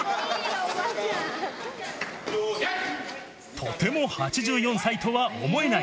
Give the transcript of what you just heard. とても８４歳とは思えない。